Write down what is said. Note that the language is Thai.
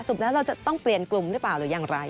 แล้วเราจะต้องเปลี่ยนกลุ่มหรือเปล่าหรืออย่างไร